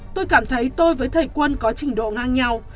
tôi cảm thấy tôi với thầy quân có trình độ ngang nhau